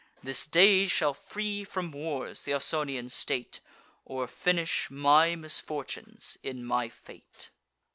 This day shall free from wars th' Ausonian state, Or finish my misfortunes in my fate."